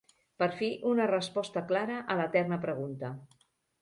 Per fi una resposta clara a l'eterna pregunta.